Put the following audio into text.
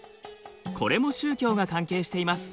これも宗教が関係しています。